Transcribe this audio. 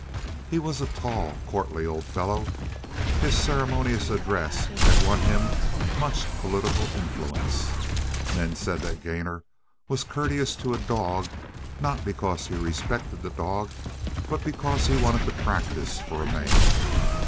He was a tall, courtly old fellow. His ceremonious address had won him much political influence. Men said that Gainor was courteous to a dog, not because he respected the dog, but because he wanted to practice for a man.